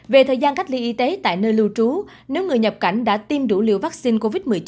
về thời gian cách ly y tế tại nơi lưu trú nếu người nhập cảnh đã tiêm đủ liều vaccine covid một mươi chín